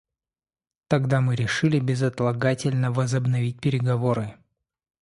Тогда мы решили безотлагательно возобновить переговоры.